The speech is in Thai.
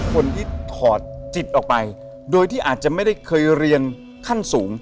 คนที่ถอดจิตออกไปโดยที่อาจจะไม่ได้เคยเรียนขั้นสูง